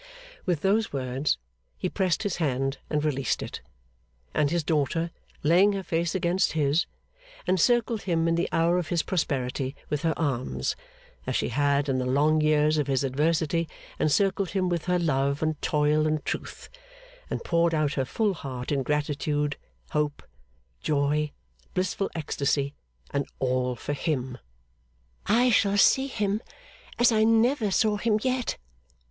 With those words, he pressed his hand and released it; and his daughter, laying her face against his, encircled him in the hour of his prosperity with her arms, as she had in the long years of his adversity encircled him with her love and toil and truth; and poured out her full heart in gratitude, hope, joy, blissful ecstasy, and all for him. 'I shall see him as I never saw him yet.